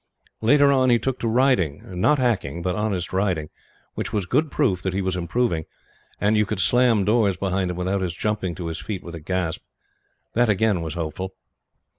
Later on he took to riding not hacking, but honest riding which was good proof that he was improving, and you could slam doors behind him without his jumping to his feet with a gasp. That, again, was hopeful.